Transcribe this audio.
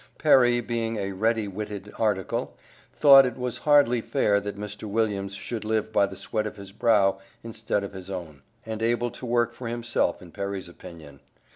Perry being a ready witted article, thought that it was hardly fair that Mr. Williams should live by the sweat of his brow instead of his own; he was a large, portly man, and able to work for himself in Perry's opinion.